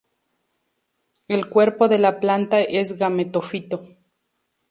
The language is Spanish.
El cuerpo de la planta es gametófito.